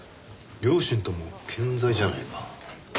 両親とも健在じゃないか。